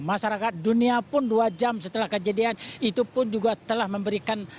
masyarakat dunia pun dua jam setelah kejadian itu pun juga telah memberikan